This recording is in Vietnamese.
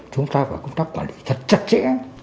chúng ta phải công tác quản lý thật chặt chẽ